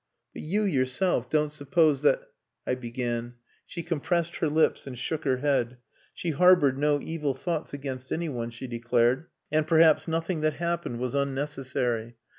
"But you, yourself, don't suppose that...." I began. She compressed her lips and shook her head. She harboured no evil thoughts against any one, she declared and perhaps nothing that happened was unnecessary.